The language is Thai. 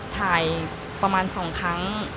ถ่ายประมาณ๒ครั้ง